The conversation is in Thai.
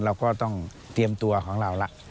เราก็ต้องเตรียมตัวของเราละ